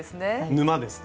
沼ですね。